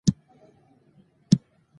د افغانستان په منظره کې د ریګ دښتې ښکاره ده.